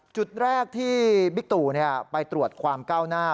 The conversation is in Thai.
จุดแรกที่บิ๊กตู่ไปตรวจความก้าวหน้า